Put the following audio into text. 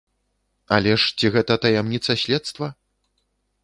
Але ж ці гэта таямніца следства?